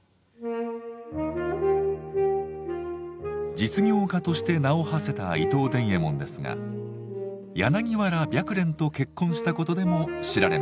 実業家として名をはせた伊藤伝右衛門ですが柳原白蓮と結婚したことでも知られます。